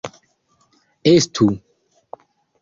estu